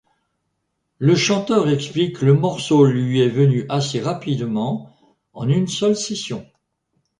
Le chanteur explique le morceau lui est venu assez rapidement en une seule session.